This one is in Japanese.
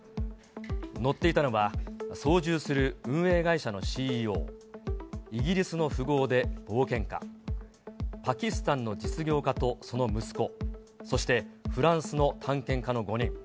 乗っていたのは操縦する運営会社のＣＥＯ、イギリスの富豪で冒険家、パキスタンの実業家とその息子、そして、フランスの探検家の５人。